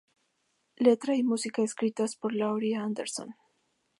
Letra y música escritas por Laurie Anderson.